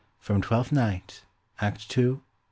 FROM "TWELFTH NIGHT," ACT I. SC.